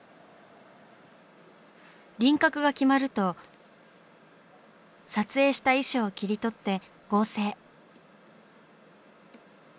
輪郭が決まると撮影した衣装を切り取って合成。